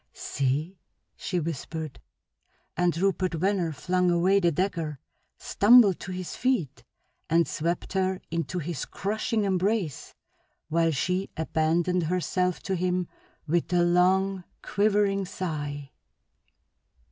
"See!" she whispered, and Rupert Venner flung away the dagger, stumbled to his feet, and swept her into his crushing embrace while she abandoned herself to him with a long, quivering sigh.